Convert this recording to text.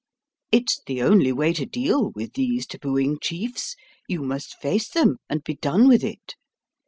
It's the only way to deal with these tabooing chiefs. You must face them and be done with it.